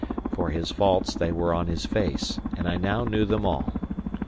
For his faults, they were on his face, and I now knew them all.